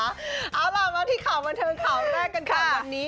เอาล่ะมาที่ข่าวบันเทิงข่าวแรกกันค่ะวันนี้